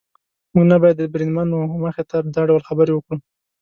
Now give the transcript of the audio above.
موږ نه باید د بریدمن وه مخې ته دا ډول خبرې وکړو.